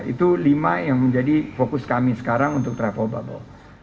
itu lima yang menjadi fokus kami sekarang untuk travel bubble